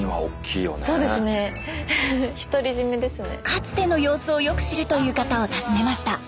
かつての様子をよく知るという方を訪ねました。